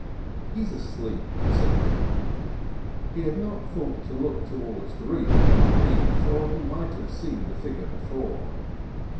"He's asleep," said Dick. He had not thought to look towards the reef from the beach, or he might have seen the figure before.